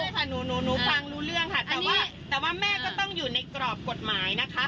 ใช่ค่ะหนูฟังรู้เรื่องค่ะแต่ว่าแต่ว่าแม่ก็ต้องอยู่ในกรอบกฎหมายนะคะ